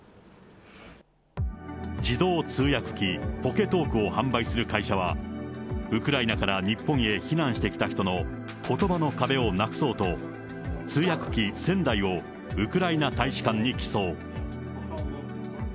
自動通訳機、ポケトークを販売する会社は、ウクライナから日本へ避難してきた人のことばの壁をなくそうと、通訳機１０００台をウクライナ大使館に寄贈。